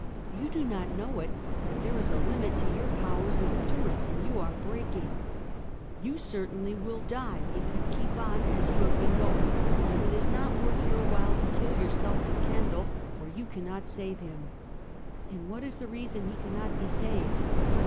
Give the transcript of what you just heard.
You do not know it; but there is a limit to your powers of endurance, and j^ou are breaking. You certainly will die if you keep on as you have been going, and it is not worth your while to kill yourself for Kendall, for you cannot save him." " What is the reason he cannot be saved?"